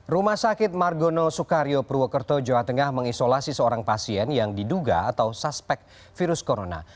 rumah sakit margono soekario purwokerto jawa tengah mengisolasi seorang pasien yang diduga atau suspek virus corona